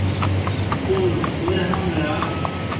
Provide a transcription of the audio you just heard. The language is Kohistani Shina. گوڙ کوئے ہنوْ یا؟